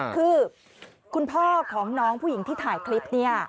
คือคุณพ่อของน้องผู้หญิงที่ถ่ายคลิปเนี่ย